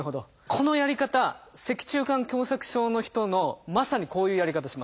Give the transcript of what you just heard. このやり方脊柱管狭窄症の人のまさにこういうやり方します。